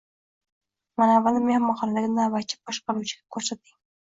Manavini mehmonxonadagi navbatchi boshqaruvchiga ko`rsating